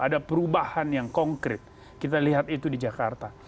ada perubahan yang konkret kita lihat itu di jakarta